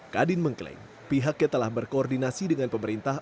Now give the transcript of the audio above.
kadin mengklaim pihaknya telah berkoordinasi dengan pemerintah